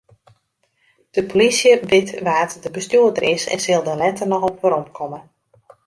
De polysje wit wa't de bestjoerder is en sil dêr letter noch op weromkomme.